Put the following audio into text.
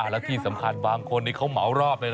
แล้วที่สำคัญบางคนนี้เขาเหมารอบเลยนะ